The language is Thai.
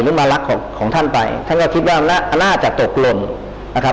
มารักของของท่านไปท่านก็คิดว่าน่าจะตกลงนะครับ